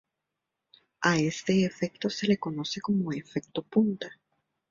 A este efecto se le conoce como efecto punta.